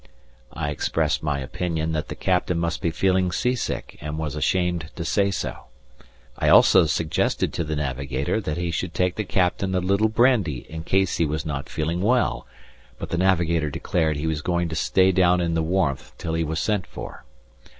I expressed my opinion that the Captain must be feeling sea sick and was ashamed to say so. I also suggested to the navigator that he should take the Captain a little brandy in case he was not feeling well, but the navigator declared he was going to stay down in the warmth till he was sent for.